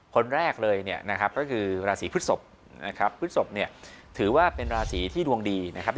คนแรกเลยเนี่ยนะครับก็คือราศีพฤศพนะครับพฤศพเนี่ยถือว่าเป็นราศีที่ดวงดีนะครับ